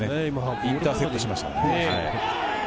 インターセプトしましたね。